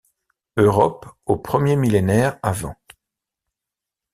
Europe au Ier millénaire av.